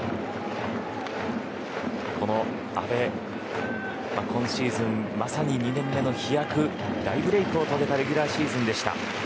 阿部は今シーズンまさに２年目の飛躍大ブレークを遂げたレギュラーシーズンでした。